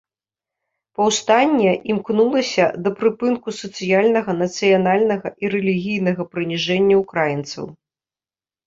Паўстанне імкнулася да прыпынку сацыяльнага, нацыянальнага, і рэлігійнага прыніжэння ўкраінцаў.